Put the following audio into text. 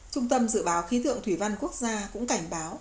trung tâm dự báo khí tượng thủy văn quốc gia cũng cảnh báo